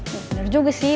bener juga sih